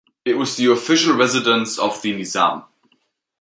It was the official residence of the Nizam.